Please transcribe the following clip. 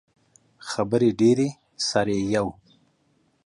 خبرې ډیرې سر يې یو.